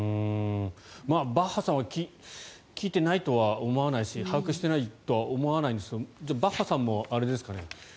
バッハさんは聞いていないとは思わないし把握してないとは思わないんですけどバッハさんもあれですかね。